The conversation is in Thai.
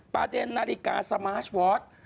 ประเด็นนาฬิกาสมาร์ทวอส